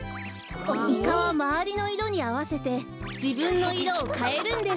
イカはまわりのいろにあわせてじぶんのいろをかえるんです。